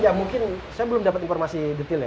ya mungkin saya belum dapat informasi detail ya